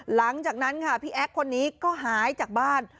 หลังจากนั้นค่ะพี่แอ๊กคนนี้ก็หายจากบ้าน